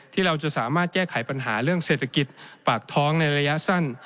ที่เราจะสามารถแก้ไขปัญหาเรื่องเศรษฐกิจปากท้องในระยะสั้น